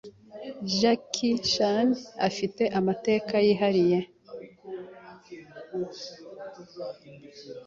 Jackie Chan, afite amateka yihariye